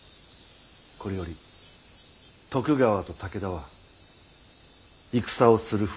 これより徳川と武田は戦をするふりをし続ける。